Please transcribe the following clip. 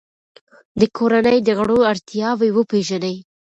د کورنۍ د غړو اړتیاوې وپیژنئ.